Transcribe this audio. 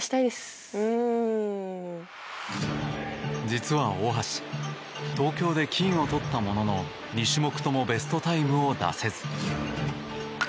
実は大橋東京で金をとったものの２種目ともベストタイムを出せず。